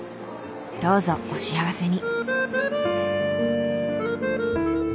どうぞお幸せに。